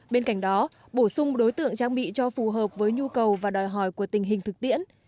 bên cạnh đó bổ sung đối tượng trang bị cho phù hợp với nhu cầu và đòi hỏi của tình hình thực tiễn